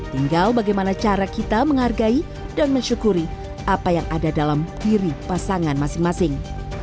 tinggal bagaimana cara kita menghargai dan mensyukuri apa yang ada dalam diri pasangan masing masing